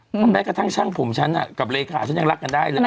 เพราะแม้กระทั่งช่างผมฉันกับเลขาฉันยังรักกันได้เลย